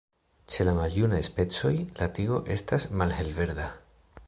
Ĉe la maljunaj specoj, la tigo estas malhelverda.